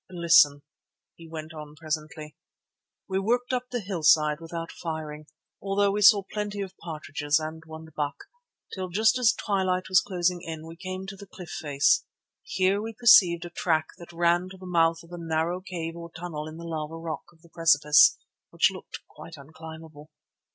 "Listen," he went on presently. "We worked up the hill side without firing, although we saw plenty of partridges and one buck, till just as twilight was closing in, we came to the cliff face. Here we perceived a track that ran to the mouth of a narrow cave or tunnel in the lava rock of the precipice, which looked quite unclimbable.